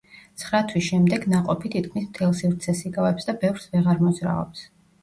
ცხრა თვის შემდეგ ნაყოფი თითქმის მთელ სივრცეს იკავებს და ბევრს ვეღარ მოძრაობს.